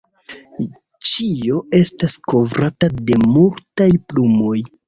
Ĉio estas kovrata de multaj plumoj.